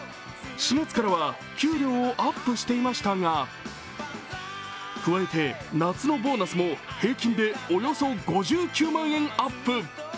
４月からは給料をアップしていましたが、加えて、夏のボーナスも平均でおよそ５９万円アップ。